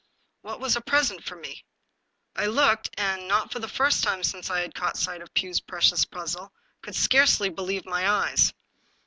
What was a pres ent for me? I looked, and, not for the first time since I had caught sight of Pugh's precious puzzle, could scarcely believe my eyes.